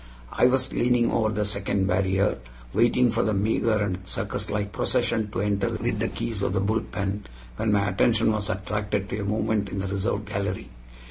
I was leaning over the second barrier, waiting for the meager and circuslike procession to enter with the keys of the bull pen, when my attention was attracted to a movement in the reserved gallery.